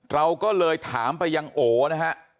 เราก็เลยถามไปยังโอนะฮะ